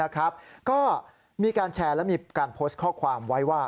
ก็มีการแชร์และมีการโพสต์ข้อความไว้ว่า